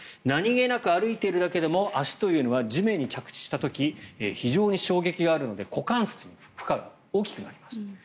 何げなく歩いているだけでも足というのは地面に着地した時に非常に衝撃があるので股関節の負荷が大きくなります。